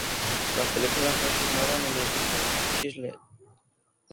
La película fue filmada en el Edificio Chrysler.